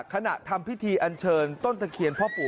ขณะทำพิธีอันเชิญต้นตะเคียนพ่อปู่